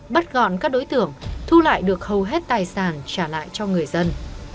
bắt gọn các đối tượng thu lại được hầu hết tài sản trả lại cho người dân